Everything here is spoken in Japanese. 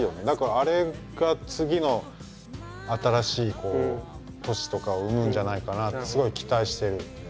だからあれが次の新しい都市とかを生むんじゃないかなってすごい期待してる。